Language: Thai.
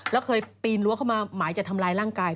แล้วเคยปีนรั้วเข้ามาหมายจะทำร้ายร่างกาย